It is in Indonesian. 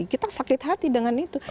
kita sakit hati dengan itu